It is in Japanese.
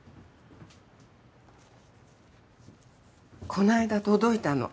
この間届いたの。